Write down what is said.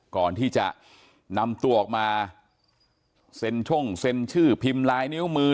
ก่อนที่จะนำตัวออกมาเซ็นช่งเซ็นชื่อพิมพ์ลายนิ้วมือ